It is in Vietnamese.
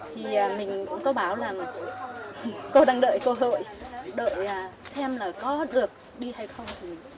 thì mình cũng có bảo là cô đang đợi cơ hội đợi xem là có được đi hay không